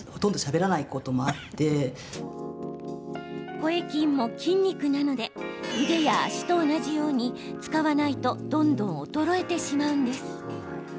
声筋も筋肉なので腕や足と同じように使わないとどんどん衰えてしまうんです。